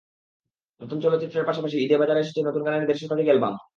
নতুন চলচ্চিত্রের পাশাপাশি ঈদে বাজারে এসেছে নতুন গানের দেড় শতাধিক অ্যালবাম।